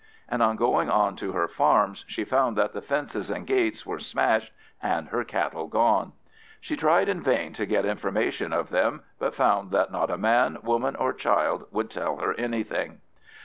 And on going on to her farms she found that the fences and gates were smashed and her cattle gone. She tried in vain to get information of them, but found that not a man, woman, or child would tell her anything.